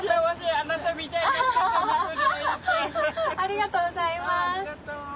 アハハありがとうございます。